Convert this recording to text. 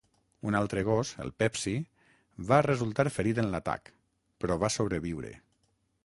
Un altre gos, el Pepsi, va resultar ferit en l'atac, però va sobreviure.